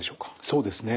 そうですね。